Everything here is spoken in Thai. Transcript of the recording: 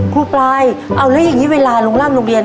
ครูปายเอาแล้วยังงี้เวลาลุงร่ำลูกเรียน